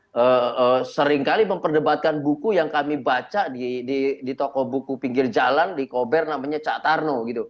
saya seringkali memperdebatkan buku yang kami baca di toko buku pinggir jalan di kober namanya cak tarno gitu